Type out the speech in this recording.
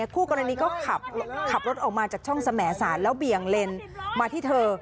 คู่กรณีก็ขับรถออกมาจากช่องสมสารแล้วเบี่ยงเลนมาที่เธอ